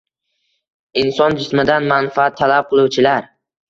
inson jismidan manfaat talab qiluvchilar